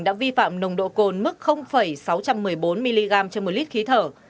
đã vi phạm nồng độ cồn mức sáu trăm một mươi bốn mg trên một lít khí thở